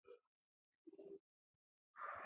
زما مور هلته ښخه ده, زما پلار هلته ښخ دی